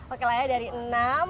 oke lah ya dari enam